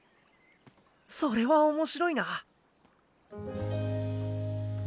それは面白いな。